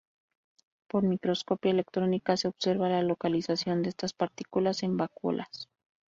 Por microscopía electrónica se observa la localización de estas partículas en vacuolas.